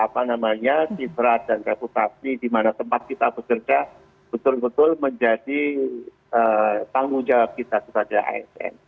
apa namanya citra dan reputasi di mana tempat kita bekerja betul betul menjadi tanggung jawab kita kepada asn